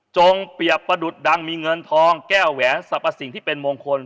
เปรียบประดุษดังมีเงินทองแก้วแหวนสรรพสิ่งที่เป็นมงคล